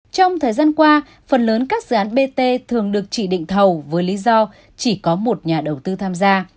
trong thời gian qua phần lớn các dự án bt thường được chỉ định thầu với lý do chỉ có một nhà đầu tư tham gia